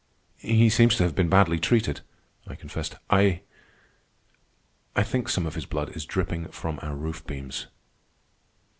"He seems to have been badly treated," I confessed. "I—I—think some of his blood is dripping from our roof beams."